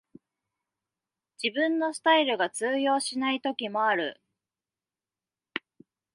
自分のスタイルが通用しない時もある